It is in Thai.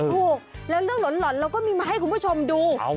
ถูกแล้วเรื่องหล่อนเราก็มีมาให้คุณผู้ชมดู